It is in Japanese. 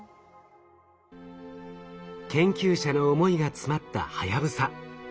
研究者の思いが詰まったはやぶさ。